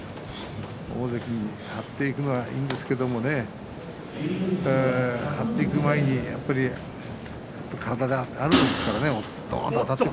大関に張っていくのはいいんですけどね張っていく前に、やっぱり体で、あたるんですよ。